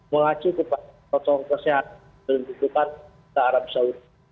melacu kepada potong kesehatan dan kebutuhan keharapan